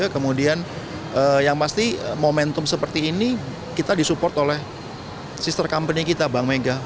kemudian yang pasti momentum seperti ini kita disupport oleh sister company kita bank mega